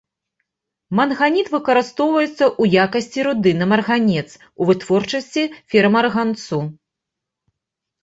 Манганіт выкарыстоўваецца ў якасці руды на марганец, у вытворчасці ферамарганцу.